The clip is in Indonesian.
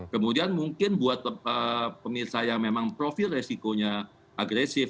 kemudian mungkin buat pemirsa yang memang profil resikonya agresif